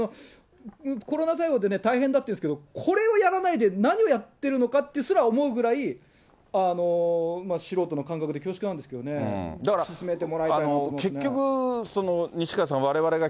コロナ対応で大変だというんですけれども、これをやらないで何をやってるのかってすら思うぐらい、素人の感覚で恐縮なんですけれどもね、進めてもらいたいと思いま結局、西川さん、われわれが